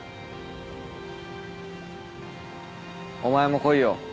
お前も来いよ